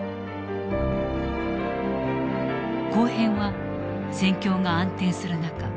後編は戦況が暗転する中